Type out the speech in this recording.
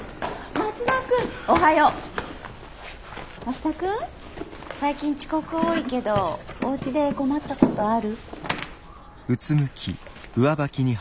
松田君最近遅刻多いけどおうちで困ったことある？